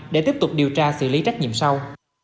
để tiếp tục điều tra xử lý trách nhiệm sau